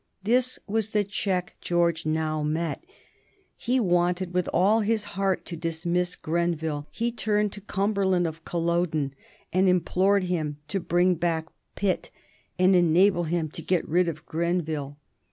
This was the check George now met. He wanted with all his heart to dismiss Grenville. He turned to Cumberland of Culloden, and implored him to bring back Pitt and enable him to get rid of Grenville.